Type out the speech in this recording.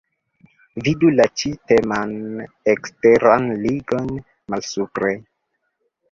Vidu la ĉi-teman eksteran ligon malsupre.